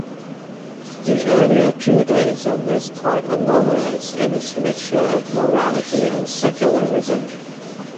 The earlier Judaism is quite anomalous in its mixture of morality and secularism.